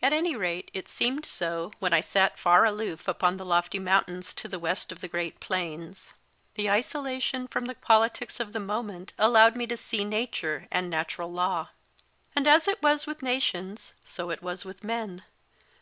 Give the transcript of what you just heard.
At any rate, it seemed so when I sat far aloof upon the lofty mountains to the west of the great plains. The isolation from the politics of the moment allowed me to see nature and natural law. DEFYING THE UNIVERSE TTNTV 1 86 MY FIRST BOOK And as it was with nations, so it was with men.